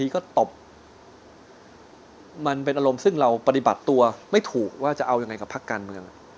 ก็ต้องมาหาทางหยุ่มยิ้ม